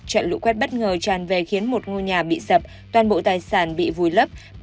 trận lũ quét bất ngờ tràn về khiến một ngôi nhà bị sập toàn bộ tài sản bị vùi lấp